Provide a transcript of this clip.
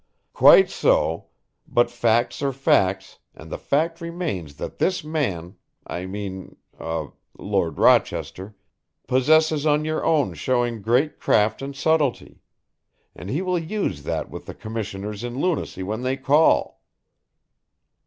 "Quite so. But facts are facts and the fact remains that this man I mean er Lord Rochester, possesses on your own shewing great craft and subtlety. And he will use that with the Commissioners in Lunacy when they call."